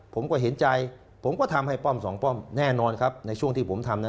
ผมก็เห็นใจผมก็ทำให้ป้อมสองป้อมแน่นอนครับในช่วงที่ผมทำนะ